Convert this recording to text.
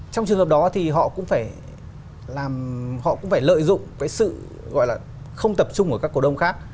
trong trường hợp đó thì họ cũng phải lợi dụng cái sự gọi là không tập trung của các cổ đông khác